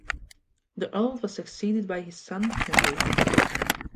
The earl was succeeded by his son, Henry.